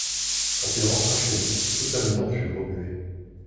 Quand il rentra chez lui, toute la maison fut remuée.